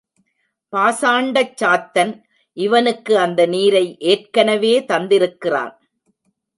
பாசாண்டச் சாத்தன் இவனுக்கு அந்த நீரை ஏற்கனவே தந்திருக்கிறான்.